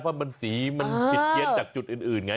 เพราะมันสีมันผิดเพี้ยนจากจุดอื่นไง